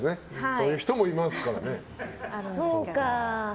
そういう人もいますから。